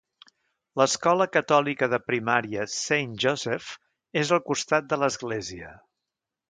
L'escola catòlica de primària Saint Joseph és al costat de l'església.